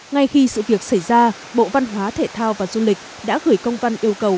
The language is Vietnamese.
ngay khi sự việc xảy ra bộ văn hóa thể thao và du lịch đã gửi công văn yêu cầu